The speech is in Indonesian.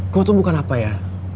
kau tuh bukan apa ya